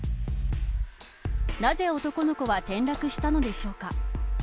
なぜ男の子は転落したのでしょうか。